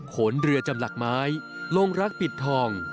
ขนเรือจำหลักไม้ลงรักปิดทอง